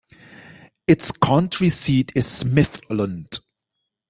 Its county seat is Smithland.